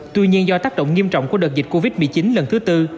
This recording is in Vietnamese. tuy nhiên do tác động nghiêm trọng của đợt dịch covid một mươi chín lần thứ tư